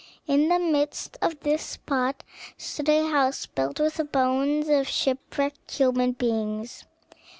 In the midst of this spot stood a house, built with the bones of shipwrecked human beings.